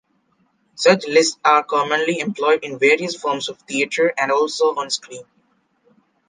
Such lists are commonly employed in various forms of theater, and also on screen.